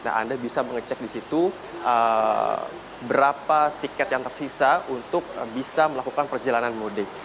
nah anda bisa mengecek di situ berapa tiket yang tersisa untuk bisa melakukan perjalanan mudik